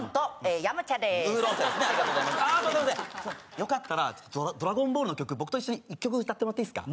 よかったら「ドラゴンボール」の曲僕と一緒に１曲歌ってもらっていいですか？